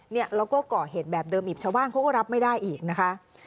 เนี่ยแล้วก็ก่อเหตุแบบเดิมอีกชาวบ้านเขาก็รับไม่ได้อีกนะคะ